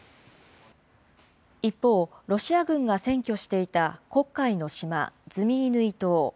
一方、ロシア軍が占拠していた黒海の島、ズミイヌイ島。